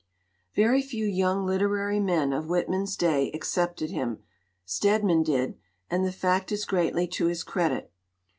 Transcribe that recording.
"Very few young literary men of Whitman's day accepted him. Stedman did, and the fact is greatly to his credit.